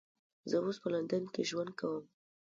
زه اوس په لندن کې ژوند کوم